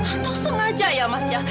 atau sengaja ya mas ya